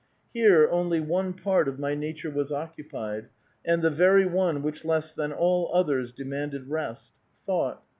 Here only one part of my nature was occupied, and the very one which less than all others demanded rest, — thought.